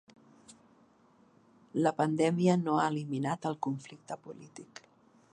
La pandèmia no ha eliminat el conflicte polític.